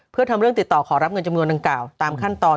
เพื่อทำเรื่องติดต่อขอรับเงินจำนวนดังกล่าวตามขั้นตอน